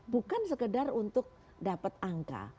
bukan sekedar untuk dapat angka